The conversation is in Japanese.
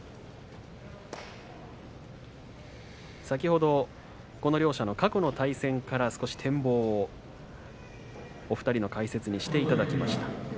先ほどこの両者の過去の対戦から少し展望をお二人の解説にしていただきました。